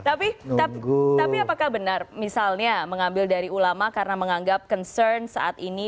tapi apakah benar misalnya mengambil dari ulama karena menganggap concern saat ini